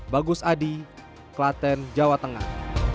bagus adi klaten jawa tengah